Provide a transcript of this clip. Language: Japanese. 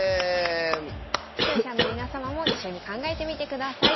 視聴者の皆様も一緒に考えてみてください。